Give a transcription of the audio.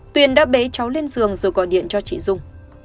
tuyền đã bế cháu lên giường rồi gọi điện cho chị dung